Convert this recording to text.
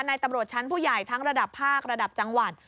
ในตำรวจชั้นผู้ใหญ่ทั้งระดับภาคระดับจังหวัด